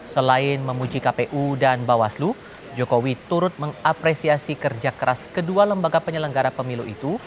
selain memuji kpu dan bawaslu jokowi turut mengapresiasi kerja keras kedua lembaga penyelenggara pemilu itu